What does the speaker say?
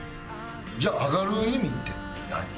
じゃあ上がる意味って何？